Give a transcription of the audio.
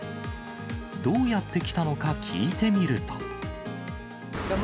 どうやって来たのか聞いてみると。